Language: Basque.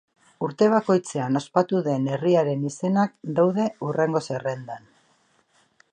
Urte bakoitzean ospatu dan herriaren izenak daude hurrengo zerrendan.